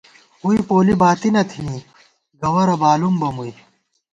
ووئی پولی باتی نہ تھنی ، گوَرہ بالُم بہ مُوئی